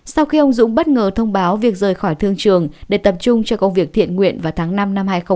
sau khi ông dũng bất ngờ thông báo việc rời khỏi thương trường để tập trung cho công việc thiện nguyện vào tháng năm năm hai nghìn hai mươi ba